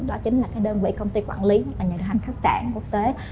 đó chính là đơn vị công ty quản lý và nhà đường hành khách sạn quốc tế